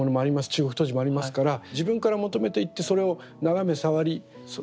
中国陶磁もありますから自分から求めていってそれを眺め触りそれをこう吸収していく。